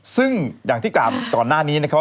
ซึ่งอย่างที่กล่าวก่อนหน้านี้นะครับ